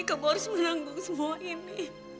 kamu harus menanggung semua ini